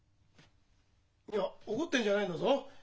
いや怒ってんじゃないんだぞ。